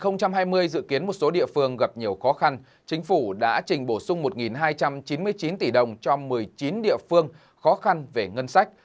năm hai nghìn hai mươi dự kiến một số địa phương gặp nhiều khó khăn chính phủ đã trình bổ sung một hai trăm chín mươi chín tỷ đồng cho một mươi chín địa phương khó khăn về ngân sách